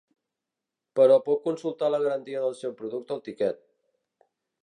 Però pot consultar la garantia del seu producte al tiquet.